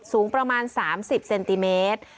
สูงประมาณ๓๐เซนติเมตร